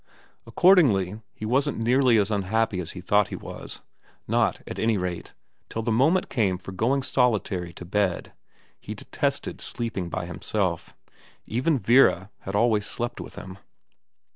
Accordingly he wasn't nearly as un happy as he thought he was ; not, at any rate, till the moment came for going solitary to bed. He detested sleeping by himself. Even Vera had always slept with him.